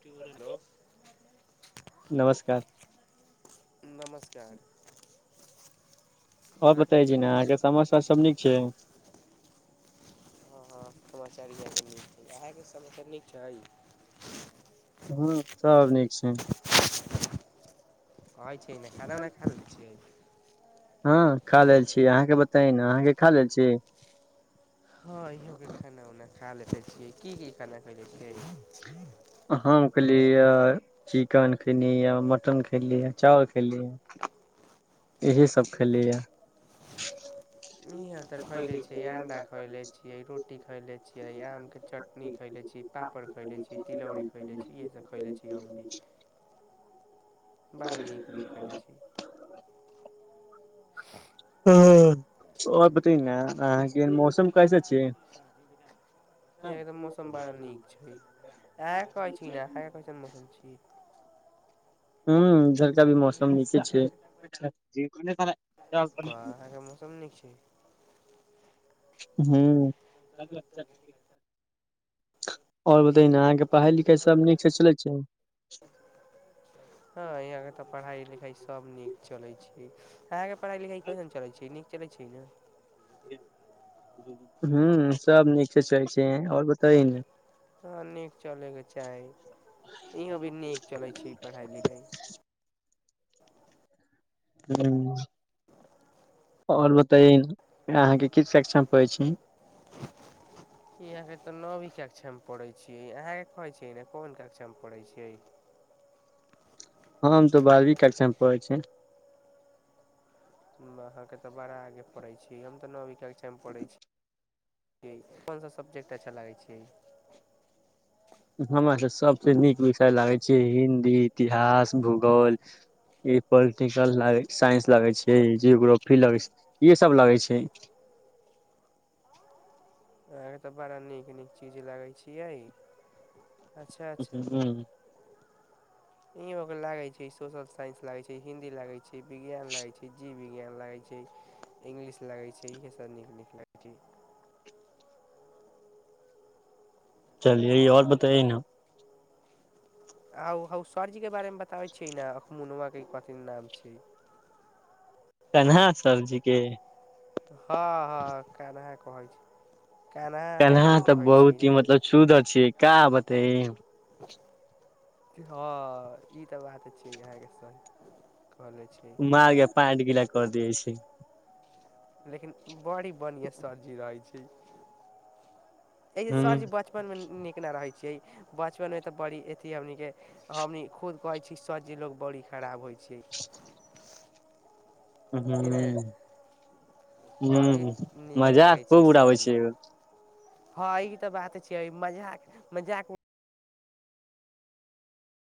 to hello नमस्कार नमस्कार हँ आओर बताय छी ने अहाँके समाचा सब नीक छै अहा के समाचार नीक छै हँ सब नीक छै होइ छै नहि खाना नहि खाना छिय हँ खा लेल छी अहाँके बताई न अहाँके खा लेल छी हँ इ के खाना उना खा लेते छियै की की खाना खइले हँ कहल खली चिकेन खली ह मटन खली ह चावल खली ह इहसभ खेलैए इह त खैले छी अंडा खयले छियै रोटी खैले छियै आम के चटनी छि पापर खइले छि तिलैरी खइले छि बड़ा नीक नीक खैलै छी [unintelligible] आओर बताय ने अहाँके मौसम कैसे छै य एकदम मौसम बड़ा नीक छै एकइ छी ने एक कैसन मौसम छी ह इधर का भी मौसम नीचे छै ब अहाँके मौसम नीक छै हँ आओर बतै ने अहाँके पढ़ाई लिखाइ सभ नीक से चलै छै हँ यहा के तऽ पढ़ा लि खाइ सभ नीक चलैत छै अहाँके पढ़ाइ लिखाइ कइसन चलैत छै नीक चलैत छै ने ह सब नीकसँ चै छैै आओर बता ने [inaudible] हँ नीक चलैके चाही इहोँ भी नीक चलै छै पढ़ाइ लिखाइ ह [unintelligible] आओर बताय अहाँके किछु सेक्षम पै छी यहा के तो नवी कक्षा मे पढ़े छीयै अहाँ के कहे छै ने कोन कक्षा मे पढ़े छीयै ह [inaudible] ह हम तऽ बारवीं कक्षामे पढ़ै छ अहाँके तऽ बड़ा आगे पढ़ैत छी हम तऽ नओ बाके टाइम पढ़ैत छी अपन सभ सबजेक्ट अच्छा लागै छै हमरास सभसँ नीक विषय लागै छै हिन्दी इतिहास भूगोल ई पोलिटिकल साइंस लगै छै जियोग्रोफी लगै छै इे सब लगै छै हँ [inaudible] अहके तऽ बड़ा नीक नीक चीज लगै छियै अच्छा अच्छा हूँ इ के लागे छै सोशल साइंस लागे छै हिन्दी लागे छै विज्ञान लागे छै जीव ज लै छै इंग्लिश लगै छै इ स न न लै छै चलि य ई आओर बताए न आउ हउ सरजीके बारेमे बताबै छियै ने अख मुनुआके कथिन नाम छै केना सरजी के हँ हँ केनाह कहल छी केनाह तऽ बहुत ही ने मतलब शूदह छियै का बते हँ ई तऽ बात छै अहाँके स मारके पाँच गिला कर दियै छै लेकिन बड़ी बढ़िआँ सबजी रहै छै एहि जे हूँ सरजी बचपन मे नीक ने रहै छियै बचपन मे तऽ बड़ी अथ हमन के हमनी खुद कहै छी स जे लोग बड़ी खराब होइ छै [inaudible] हू अभी [unintelligible] ह नीक मजा लागै छै खूब सर उड़ाबै छै लोग हँ ई तऽ बात छिये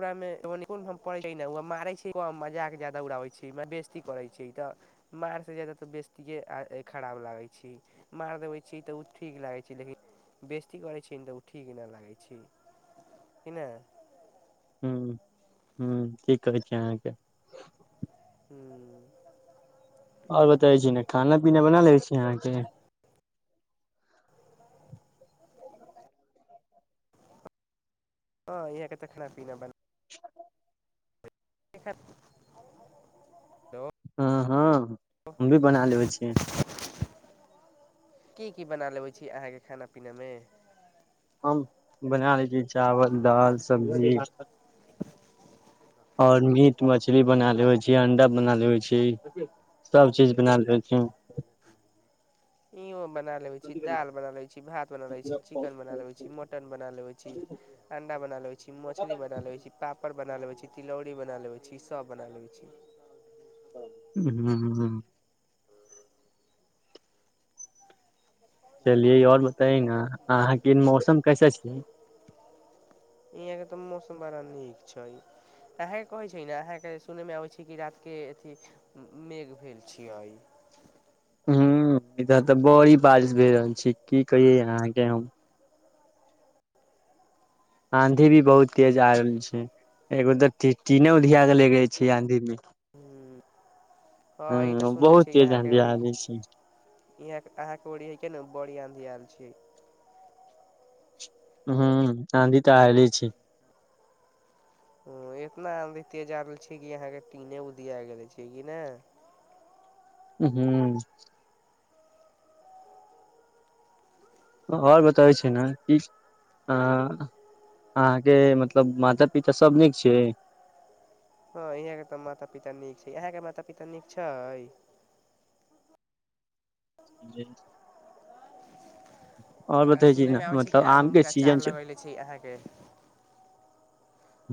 ओकरा मेड़ छै मारै छै मजाक के जााद उड़ाबै छै बेस्ती करै छीय तऽ मारसँ जादा तऽ बेस्तियए खराब लागै छै मार देबैत छी तऽ ओ ठीक लागैत छै लेकिन बेस्ती करै छी तऽ उ ठीक नहि लागै छी क नहि - की कहै छै अहाँके आओर बताै छी ने खाना पीना बना लै छी अहाँके हँ इहाँके तऽ खाना पीना बन जे खति हँ हँ हम भी बना लेबै छियै की की बना लेबै छी अहाँके खाना पीनामे हम बना लै छी चावल दालि सब्जी आओर मीट मछली बना ले होइ छै अंडा बना ले होइ छै सभ चीज बना रहल छै इहो बना लेवे छी दाल बना ले छी भात बना ले छी चिकेन बना ले छी मटन बना लेवे छी अड बनल मछली बना लेै छी पापड़ बना लेबे छी तिलौरीी बना लेबे छी सभ बना लेै छी ह चलिये आओर बताय ना अहाँके मौसम कैसे छैिय यह के तऽ मौसम बड़ा नीक छै अहां के कहे छै ने अहाँके सुनय मे आबे छै कि रात के अथ मेघ भेलेल छियइ ह इधर तऽ बड़ी बारिश भए रहल छै की कहिेयो अहाँके हम आंधी भी बहुत तेज आ रहल छै एगो तऽ टटीने उधिया के लेगेले छै आंधी मे हू [unintelligible] हू बहुत तेज आधी आ गेल छै यहाँ आहाँके ओड़ी हइ के ने बड़ी आँधी आयल छै हू आधी तऽ आले छै ओ इतना आधी तेज आगेले छै कि यहाँके टीने उदिया गेले छै कि ना ऊ हू आऔर बतबै छि ना कि किछ अहाँके मतलब माता पिता सभ नीक छै हँ यहाँके तऽ माता पिता नीक छै अहाँके माता पिता नीक छै जी आ सुनयमे मे आबै छै कि आम उमके अचार छै लगेले छी अहाँके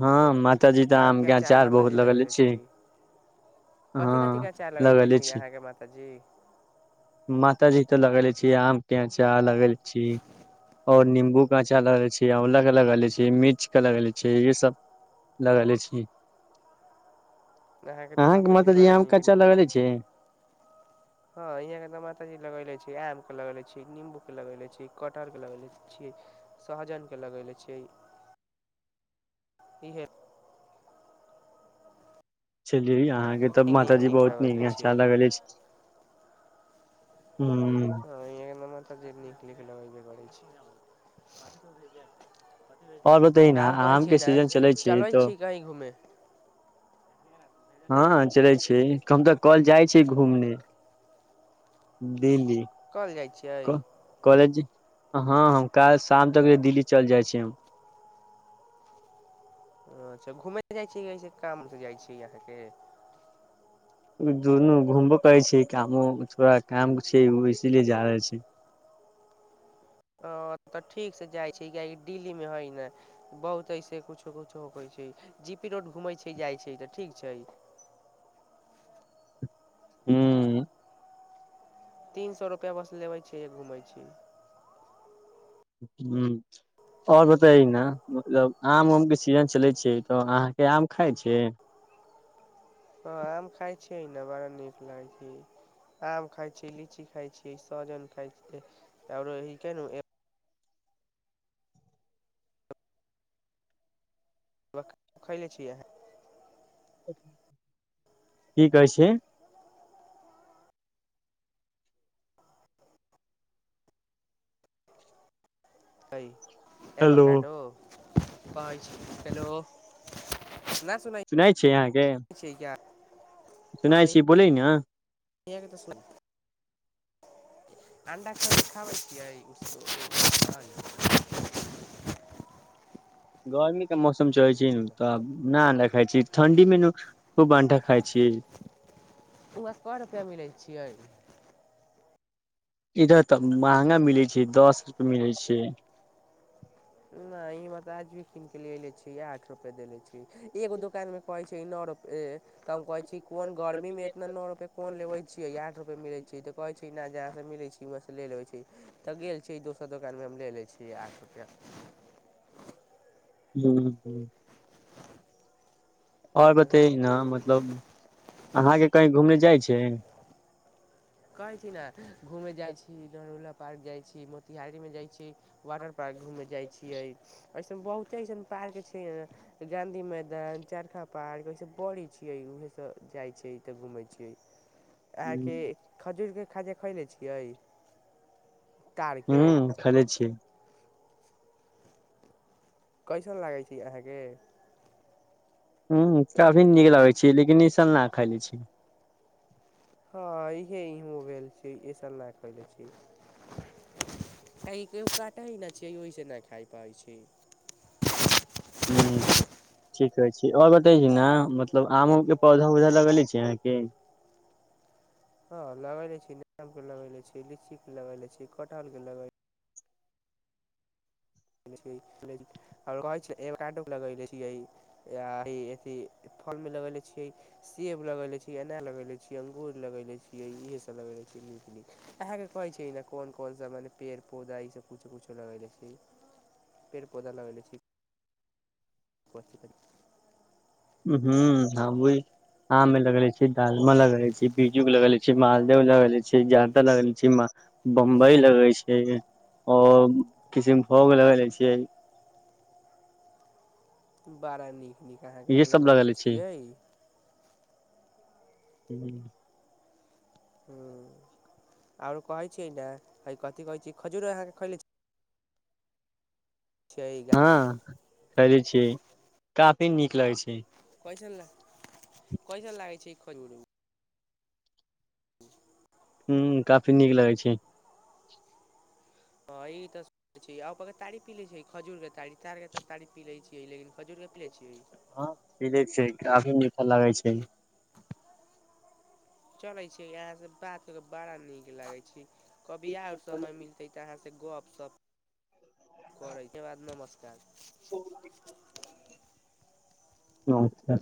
हँ मातााजी तऽ आमके अचार बहुत माताजी लगेले लगैले छी छै हँ कथी कथी के अचार लगेले छी अहाँके माताजी अभी तऽ लगेले छी आम के अचार लगेले छी और नम्बू के अचार लगेले छी आंवला के लगेले छी मिर्च के लगेले छी ई सब लगेले छी अहाके तऽ अहाँके माता जी माताजी बड़ा आम के नीक अचार नीक लगेले चीज छी हँ यहाँ के माता जी लगेले छै आम लगेले छीये निम्बू के लगेले छीये कटहर के लगेले छीये सहजनके लगेले छीये इ हे च अहाँके तऽ नीक माताजी बहुत लगेले नीक अच्छा छियै लागल अछि हू जे नीक नीक नख लगेबे करै छै और बतै न [unintelligible] आऔर कहै आम छी के ने सीजन छै चलै तऽ छी कहीँ घूमे हँ चलै छी हम तऽ कल जाइ छी घूमने दिल्ली कल जाइ छियै कॉलेज हँ हम त काल् शाम तक दिल्ली चल जाइ छी हम [unintelligible] अछा घूमय जाइ छी की काम से जाइ छी अहाँके दुनू घूमबो करे छै कामो थोड़ा काम छै ओ इसीलिए जा रहले छै [unintelligible] अ तऽ ठीक से जाइ छै किया कि दिल्ली में होइ ने बहुत ऐसे कुछो कुछो हो छै जी पी रोड घुम छै जाइ छै तऽ ठीक छै हू तीन सौ रुपेया बस लेबे छै घूमेय छै हू और बताये ने मतलब आम उम के सीजन चलै छै तऽ अहाँके आम खाइ छै हँ आम खााय छिये ने बड़ा नीक लागये छै आम खााय छी लीची खााय छी सहजन खाय छी औरे के हिन के नू ऐ तुरंत खैले छियै है की कहै छिये क ए हेलो बकडोेलो [unintelligible] सुनेई छियै अहाँके क्या सुनाइ छी बोलै ने कि तऽ सुन [unintelligible] अण्डा क‌‌डी खाबै छियै [unintelligible] गर्मी के मौसम चले छै तब न अण्डा खाय छै ठंडी मे नू खूब आटा खाय छी उ [unintelligible] रुपैया मिलै छियै इधर तऽ महंगा मिलै छै दस रुपे मिलै छै न इ बात आज भी कीन के लेले छीये आठ रूपे देेले छय एगो दुकान मे कोहै छै नौ रुपे त हम कहय छिये छी कोन गर्मी मे एतना नौ रूपे कोन लवय छीे आठ रूपे मे मिले छय त कोहय छै फिन जहाँ सँ मिलै छय वहाँ सँ ले लेबै छी तऽ गेल छी दोसर दोकान मे हम ले लै छी आठ रुपैया मे हुम्म और बतभि न मतलब अहाँ के कही घूमै जाय छै कहै छी ने घूमे जाय छी नेहरू पार्क जाय छी मोतिहारी में जाय छी वाटर पार्क घूमे जाय छियै अइसे बहुते ऐसन पार्क छै गाँधी मैदान चरखा पार्क स बड़ी छियै उह सब जाय छै तऽ घूमे छै अहाँके खजूरके खाजा खयले छियै तारके ह्म खयले छियै कैसन लागै छै अहाँ के हूँ काफी नीक लागै छै लेकिन इई साल ना खयले छी हँ इहे इहो छै इ सब ना खाइने छी एहि काटा होय छै नहि छियै ओहिसँ नै खा पाय छी हू ठीक कहै छि और बतैयौ ने मतलब आमो के पौधा उगा लगेेले छी अहाँ के [inaudible] हँ लगायले छी आम के लगैले छी लीचीके लगैले छी कटहल के लगय एवोकाडो के लगेने छि आऽ अथि फल में लगेेलय छीये सेब लगेले छीय अनार लगेेले छीये अंगूर लगेले छिये सब लगेेले छीे अहाँ के कहै छि ई नहि कोन कोन सब म पेड़ पौधा इसब कुछो कुछो लगैले छि पेड़ पौधा लगेलै छि क्वशिक [unintelligible] हू हम [unintelligible] आम मे लगेले छी डालमा लगेेले छी बिजू के लगेेले छी मालदह लगेेले छी जारदा लगेले छी बम्बय लगै छै आओर किसन भोग लगे ले छियै बड़ा नीक नीक अहाँ के तऽ लगयले छियै हूँ हूँ आओर कहै छियै न है कथी कहै छियै खजूर अहाँ के खयले छी छै ग खयले छियै काफी नीक लगै छै कैसन ला कैसन लागै छै ई खजूर ह्म काफी नीक लागै छै हँ ई तऽ आ ओ तारी पीलै छियै खजूर के तारी तारके तऽ तारी पी लै छियै लेकिन खजूरके पीलै छियै हँ पी लै छियै काफी मीठा लागै छै चलै छियै अहाँ से बात कऽ कऽ बड़ा नीक लागै छै कभी आओर समय मिलतै तऽ अहाँ से गप सप करै के बाद नमस्कार अच्छा